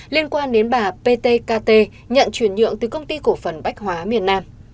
liên quan đến bà p t k t nhận chuyển nhượng từ công ty cổ phần bách hóa miền nam